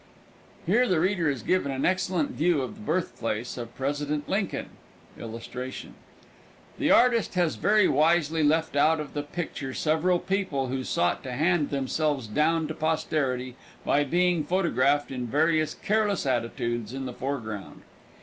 Here the reader is given an excellent view of the birthplace of President Lincoln. The artist has very wisely left out of the picture several people who sought to hand themselves down to posterity by being photographed in various careless attitudes in the foreground.